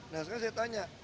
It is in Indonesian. nah sekarang saya tanya